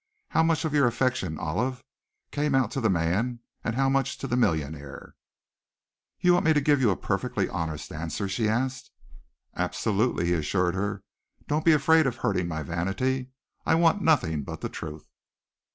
How much of your affection, Olive, came out to the man, and how much to the millionaire?" "You want me to give you a perfectly honest answer?" she asked. "Absolutely," he assured her. "Don't be afraid of hurting my vanity. I want nothing but the truth."